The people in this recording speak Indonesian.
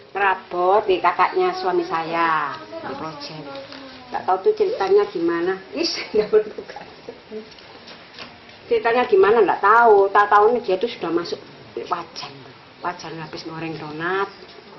nerapot nih kakaknya suami saya gak tau tuh ceritanya gimana ceritanya gimana gak tau tak tau nih dia tuh sudah masuk wajan wajan habis goreng donat